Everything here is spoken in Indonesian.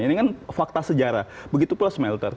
ini kan fakta sejarah begitu pula smelter